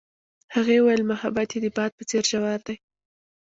هغې وویل محبت یې د باد په څېر ژور دی.